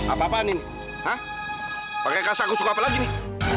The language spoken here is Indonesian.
apa apaan ini hah pakai kasar aku suka apa lagi nih